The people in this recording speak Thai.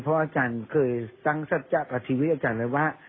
เพราะอาจารย์เคยตั้งสัจจะกับชีวิตอาจารย์เลยว่า